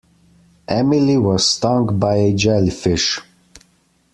Emily was stung by a jellyfish.